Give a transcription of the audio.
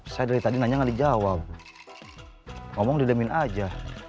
saya dari tadi nanya nggak dijawab ngomong diemin aja